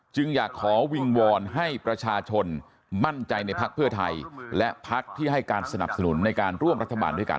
จึงอยากขอวิงวอนให้ประชาชนมั่นใจในพักเพื่อไทยและพักที่ให้การสนับสนุนในการร่วมรัฐบาลด้วยกัน